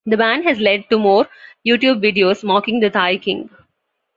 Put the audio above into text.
The ban has led to more YouTube videos mocking the Thai king.